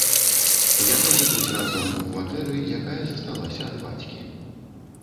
Яны жывуць разам у кватэры, якая засталася ад бацькі.